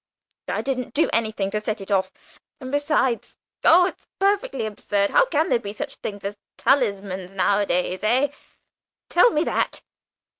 "I didn't do anything to set it off; and besides, oh, it's perfectly absurd! How can there be such things as talismans nowadays, eh? Tell me that."